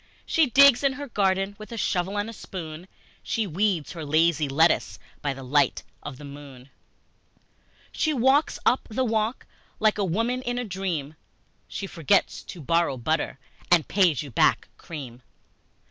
She digs in her garden With a shovel and a spoon, She weeds her lazy lettuce By the light of the moon, She walks up the walk like a woman in a dream, She forgets she borrowed butter And pays you back cream!